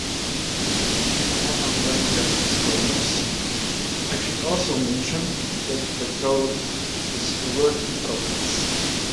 While I'm laying down disclaimers, I should also mention that the code is a work in progress.